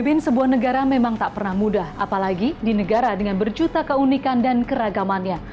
pemimpin sebuah negara memang tak pernah mudah apalagi di negara dengan berjuta keunikan dan keragamannya